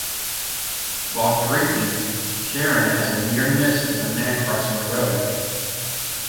While driving, Karen has a near miss with a man crossing the road.